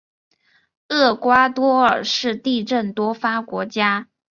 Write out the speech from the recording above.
厄瓜多尔是地震多发国家。